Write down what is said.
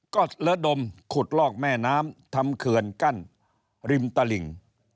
ก็ระดมขุดลอกแม่น้ำทำเขื่อนกั้นริมตลิ่ง